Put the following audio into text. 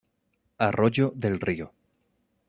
Arroyo del Río.